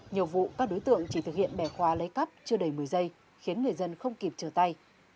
nhiều vụ các đối tượng chỉ thực hiện bẻ khóa lấy cắp chưa đầy một mươi giây khiến người dân không kịp chờ tay